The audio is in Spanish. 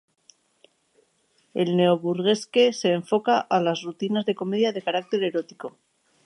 El neo-burlesque se enfoca a las rutinas de comedia de carácter erótico.